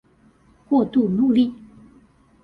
過度努力